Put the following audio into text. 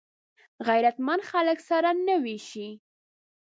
غیرتمند خلک سره نه وېشي